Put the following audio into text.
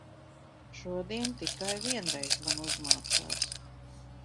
Šodien tikai vienreiz man uzmācās.